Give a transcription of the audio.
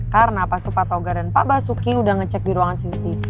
karena pas supatau garian pak basuki udah ngecek di ruangan cctv